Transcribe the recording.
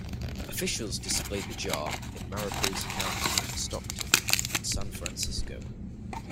Officials displayed the jar in Mariposa County, Stockton, and San Francisco.